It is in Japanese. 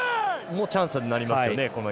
チャンスになりますよね。